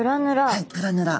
はいプラヌラ。